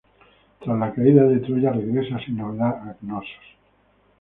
Tras la caída de Troya, regresa sin novedad a Cnosos.